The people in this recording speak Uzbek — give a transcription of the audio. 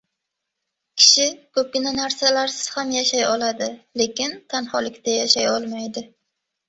Kishi ko‘pgina narsalarsiz ham yashay oladi, lekin tanholikda yashay olmaydi.